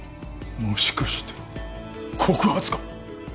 もしかして告発か？